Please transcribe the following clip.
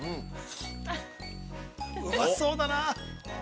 ◆うまそうだな。